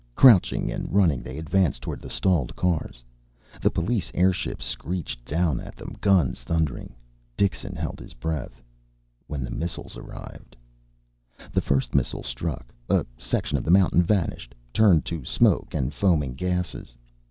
Crouching and running, they advanced toward the stalled cars. The police airships screeched down at them, guns thundering. Dixon held his breath. When the missiles arrived The first missile struck. A section of the mountain vanished, turned to smoke and foaming gasses.